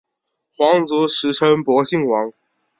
皇族时称博信王。